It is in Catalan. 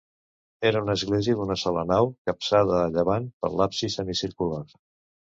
Era una església d'una sola nau, capçada a llevant per un absis semicircular.